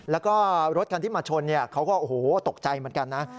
แล้วก็รถคันที่มาชนเขาก็โอ้โหตกใจเหมือนกันนะ